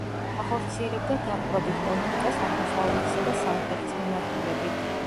ახორციელებდა დაპყრობით პოლიტიკას აღმოსავლეთისა და სამხრეთის მიმართულებით.